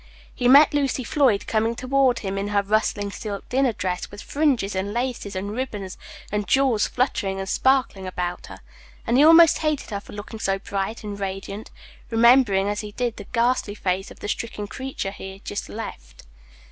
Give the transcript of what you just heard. He met Lucy Floyd coming toward him in her rustling silk dinner dress, with fringes, and laces, and ribbons, and jewels fluttering and sparkling about her, and he almost hated her for looking so bright and radiant, remembering, as he did, the ghastly face of the stricken creature he had just left.